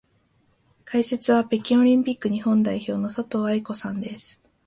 解説は北京オリンピック日本代表の佐藤愛子さんです。